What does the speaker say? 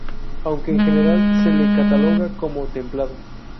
Aunque en general se le cataloga como templado.